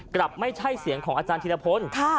กลับไม่ใช่เสียงของอาจารย์ธินภนค่ะ